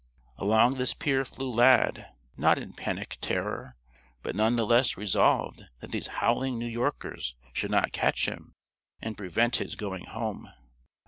Along this pier flew Lad, not in panic terror, but none the less resolved that these howling New Yorkers should not catch him and prevent his going home.